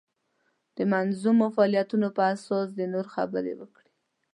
د منظمو فعالیتونو په اساس دې نور خبر کړي.